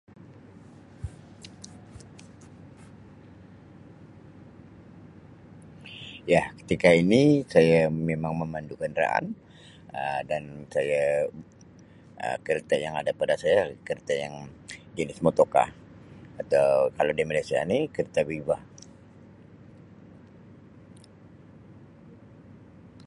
Ya, ketika ini saya memang memandu kenderaan Um dan saya Um kereta yang ada pada saya kereta yang jenis motocar atau kalau di Malaysia ni kereta Viva.